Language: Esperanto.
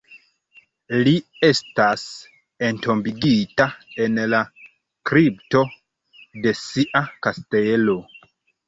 Li estas entombigita en la kripto de sia kastelo.